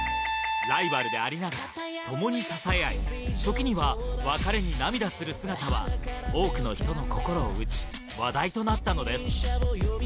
ライバルでありながら、共に支え合い、時には別れに涙する姿は、多くの人の心を打ち、話題となったのです。